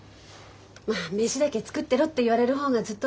ま飯だけ作ってろって言われる方がずっと楽ね。